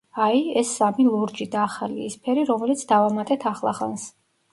აი, ეს სამი ლურჯი, და ახალი იისფერი, რომელიც დავამატეთ ახლახანს.